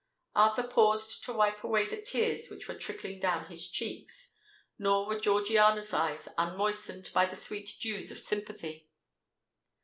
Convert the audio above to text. Arthur paused to wipe away the tears which were trickling down his cheeks; nor were Georgiana's eyes unmoistened by the sweet dews of sympathy.